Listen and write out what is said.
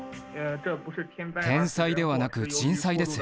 天災ではなく人災です。